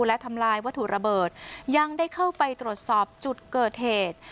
และทำลายวัตถุระเบิดยังได้เข้าไปตรวจสอบจุดเกิดเหตุ